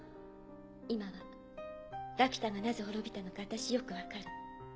今はラピュタがなぜ亡びたのか私よく分かる。